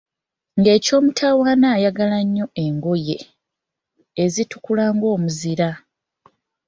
Ng'eky'omutawaana ayagala nnyo engoye ezitukula ng'omuzira.